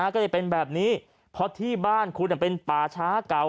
ก็เลยเป็นแบบนี้เพราะที่บ้านคุณเป็นป่าช้าเก่า